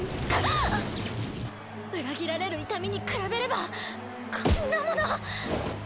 裏切られる痛みに比べればこんなもの！